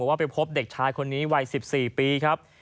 ว่าไปพบเด็กชายคนนี้วัย๑๔ปีครับ